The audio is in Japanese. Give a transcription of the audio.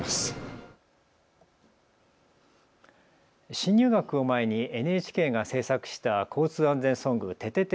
新入学を前にＮＨＫが制作した交通安全ソング、ててて！